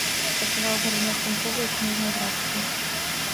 Працаваў у галіне станковай і кніжнай графікі.